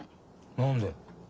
何で？